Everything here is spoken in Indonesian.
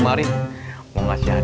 baik iya makasih